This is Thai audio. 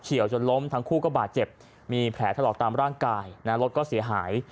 จนล้มทั้งคู่ก็บาดเจ็บมีแผลถลอกตามร่างกายรถก็เสียหาย